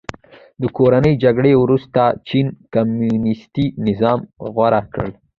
د کورنۍ جګړې وروسته چین کمونیستي نظام غوره کړ.